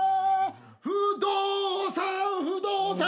不動産不動産」